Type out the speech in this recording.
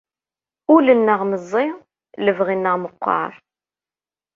Ul-nneɣ meẓẓi, lebɣi-nneɣ meqqer.